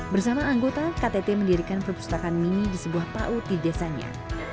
bersama anggota ktt mendirikan perpustakaan mini di sebuah paut di desanya